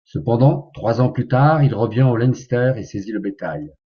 Cependant trois ans plus tard il revient au Leinster et saisit le bétail.